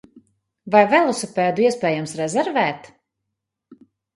Vai velosipēdu iespējams rezervēt?